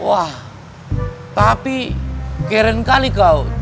wah tapi keren kali kau